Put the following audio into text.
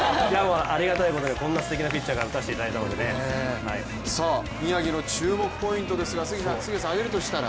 ありがたいことにこんなに、すてきなピッチャーから打たせていただいたので宮城の注目ポイントですが、挙げるとしたら？